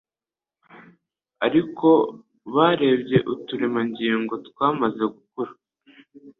ariko barebye uturemangingo twamaze gukura